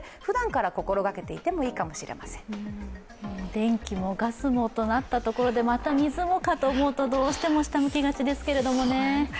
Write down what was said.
電気もガスもとなったところで、また水もかと思うとどうしても下向きがちですけどね。